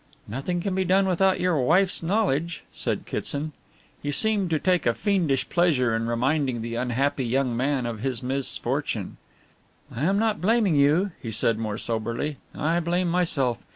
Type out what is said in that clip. "Nothing can be done without your wife's knowledge," said Kitson. He seemed to take a fiendish pleasure in reminding the unhappy young man of his misfortune. "I am not blaming you," he said more soberly, "I blame myself.